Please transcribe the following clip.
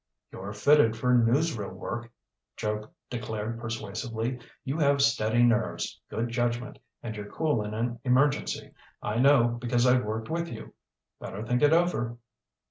"You're fitted for newsreel work," Joe declared persuasively. "You have steady nerves, good judgment, and you're cool in an emergency. I know, because I've worked with you. Better think it over."